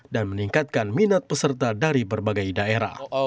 dan meningkatkan minat peserta dari berbagai daerah